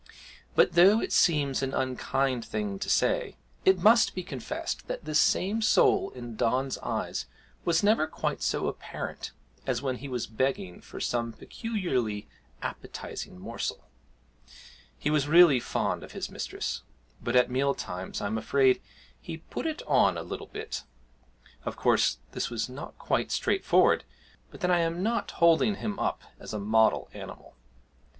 But, though it seems an unkind thing to say, it must be confessed that this same soul in Don's eyes was never quite so apparent as when he was begging for some peculiarly appetising morsel. He was really fond of his mistress, but at meal times I am afraid he 'put it on' a little bit. Of course this was not quite straightforward; but then I am not holding him up as a model animal.